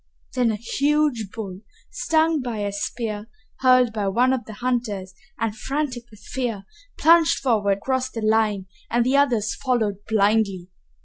Then a huge bull, stung by a spear hurled by one of the hunters and frantic with fear, plunged forward across the line and the others followed blindly.